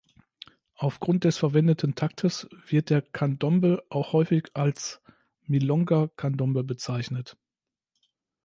Aufgrund des verwendeten Taktes wird der Candombe auch häufig auch als "Milonga Candombe" bezeichnet.